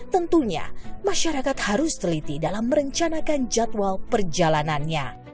tentunya masyarakat harus teliti dalam merencanakan jadwal perjalanannya